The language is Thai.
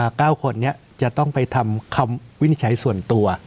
เก้าคนนี้จะต้องไปทำคำวินิจฉัยส่วนตัว